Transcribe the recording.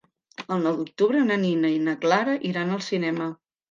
El nou d'octubre na Nina i na Clara iran al cinema.